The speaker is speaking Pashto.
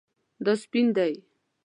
دا سپین دی